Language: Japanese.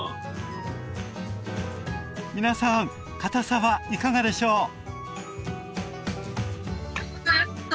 皆さんかたさはいかがでしょう？